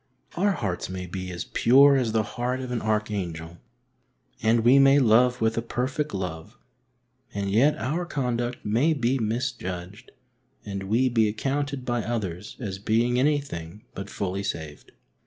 Our hearts may be as pure as the heart of an archangel, and we may love with a perfect love, and yet our conduct may be misjudged and we be accounted by others as being anything but fully saved.